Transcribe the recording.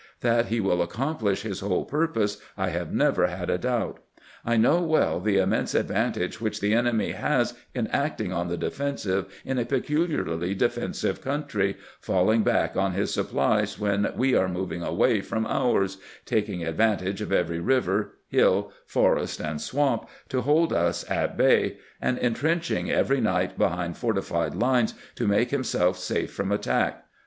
That he will accomplish his whole purpose I have never had a doubt. I know well the immense advantage which the enemy has in acting on the defensive in a peculiarly defensive country, falling back on his supplies when we are moving away from ours, taking advantage of every river, hiU, forest, and swamp to hold us at bay, and intrenching every night behind fortified lines to make himself safe from attack.